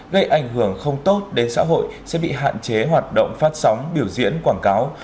gây ảnh hưởng không tốt đến xã hội sẽ bị hạn chế hoạt động phát sóng biểu diễn quảng cáo